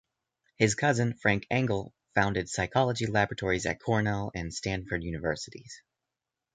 His cousin, Frank Angell, founded psychology laboratories at Cornell and Stanford Universities.